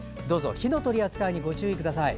火の取り扱いにご注意ください。